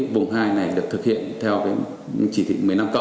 vùng hai này được thực hiện theo chỉ thị một mươi năm